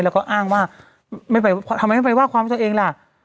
แล้วก็อ้างว่าทำไมไม่ว่าความของตัวเองล่ะ